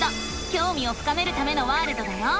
きょうみを深めるためのワールドだよ！